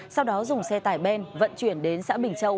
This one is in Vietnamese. sau đó dùng xe tải ben vận chuyển đến xã bình châu